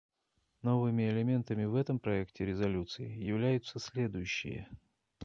Новыми элементами в этом проекте резолюции являются следующие.